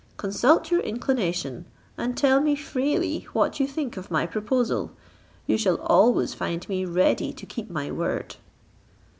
Consult your inclination, and tell me freely what you think of my proposal: you shall always find me ready to keep my word."